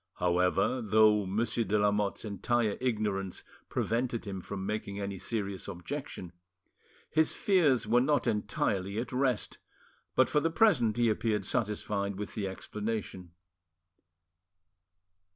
However, though Monsieur de Lamotte's entire ignorance prevented him from making any serious objection, his fears were not entirely at rest, but for the present he appeared satisfied with the explanation.